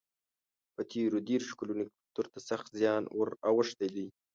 په تېرو دېرشو کلونو کې کلتور ته سخت زیان ور اوښتی دی.